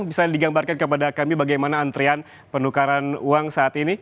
bisa digambarkan kepada kami bagaimana antrean penukaran uang saat ini